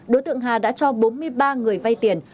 đối tượng hà đã cho bốn mươi ba người vay tiền